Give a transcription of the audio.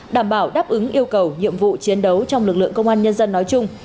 đảm bảo đáp ứng yêu cầu nhiệm vụ chiến đấu trong lực lượng công an nhân dân nói chung